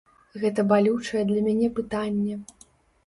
Гэта балючае для мяне пытанне.